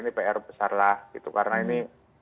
ini pr besar lah gitu karena ini